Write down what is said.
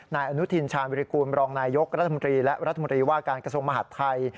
นายอนุทินชาญวิริกูลบรองนายยกรัฐมนตรีและรัฐมนตรีว่าการกระทรวงมหาดไทย